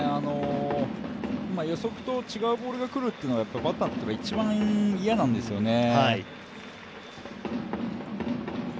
予測と違うボールがくるというのがバッターにとっては一番嫌なんですよね。